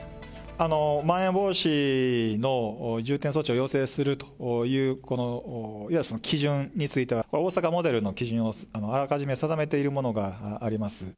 まん延防止の重点措置を要請するという、このいわゆる基準については、大阪モデルの基準をあらかじめ定めているものがあります。